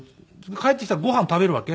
「帰ってきたらご飯食べるわけ？」